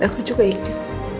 dan aku juga ingat